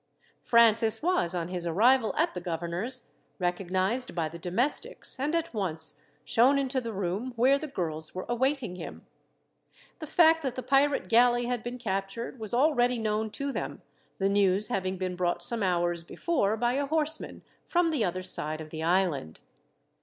Francis was, on his arrival at the governor's, recognized by the domestics, and at once shown into the room where the girls were awaiting him. The fact that the pirate galley had been captured was already known to them, the news having been brought some hours before, by a horseman, from the other side of the island.